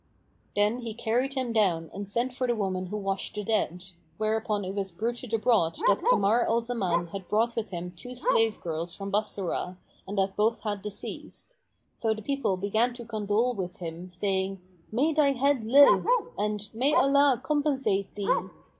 Then he carried him down and sent for the woman who washed the dead: whereupon it was bruited abroad that Kamar al Zaman had brought with him two slave girls from Bassorah and that both had deceased. So the people began to condole with him saying, "May thy head live!" and "May Allah compensate thee!"